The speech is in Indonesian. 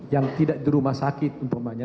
yang tidak di rumah sakit umpamanya